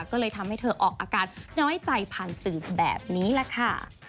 ก็เลยทำให้เธอออกอาการน้อยใจผ่านสื่อแบบนี้แหละค่ะ